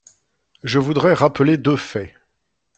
Je voudrais rappeler deux faits.